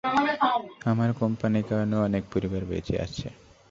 আমার কোম্পানির কারণে অনেক পরিবার বেঁচে আছে।